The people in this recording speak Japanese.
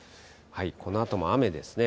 このあとも雨ですね。